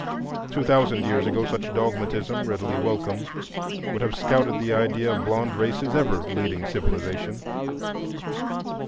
Two thousand years ago such dogmatism, readily welcome, would have scouted the idea of blond races ever leading civilization.